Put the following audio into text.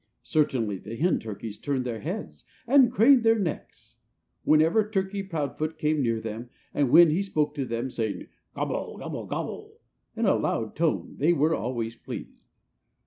Certainly the hen turkeys turned their heads and craned their necks whenever Turkey Proudfoot came near them. And when he spoke to them, saying "Gobble, gobble, gobble!" in a loud tone, they were always pleased.